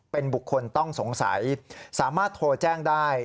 เป็นบุคคลต้องสงสัยสามารถโทรแจ้งได้